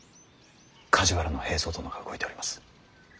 梶原平三殿が動いております。